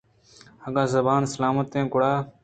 اگاں زبان سلامت اِنت گڑا